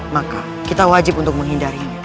maka kita wajib untuk menghindarinya